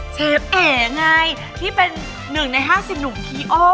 เชฟแอ๋ไงที่เป็นหนึ่งในห้าสิบหนุ่มทีโอ